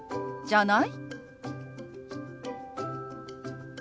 「じゃない？」。